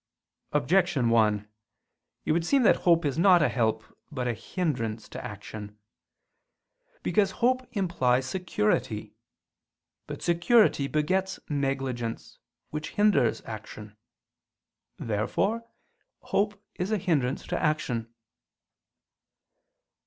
Objection 1: It would seem that hope is not a help but a hindrance to action. Because hope implies security. But security begets negligence which hinders action. Therefore hope is a hindrance to action.